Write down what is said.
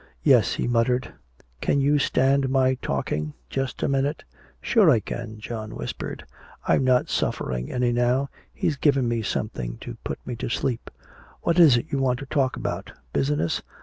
"Yes," he muttered. "Can you stand my talking, just a minute?" "Sure I can," John whispered. "I'm not suffering any now. He's given me something to put me to sleep. What is it you want to talk about? Business?"